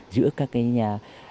giữa các cái nhà